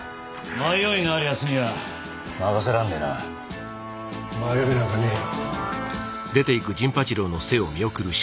迷いのあるヤツには任せらんねぇな迷いなんかねぇよ